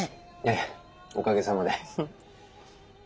ええおかげさまで。